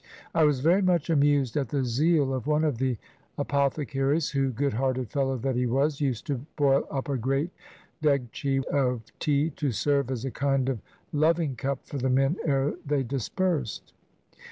I was very much amused at the zeal of one of the apothe caries, who, good hearted fellow that he was, used to boil up a gteat degchee of tea, to serve as a kind of loving cup for the men ere they dispersed.